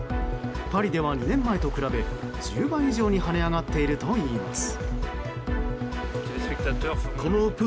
パリでは２年前と比べ１０倍以上に跳ね上がっているといいます。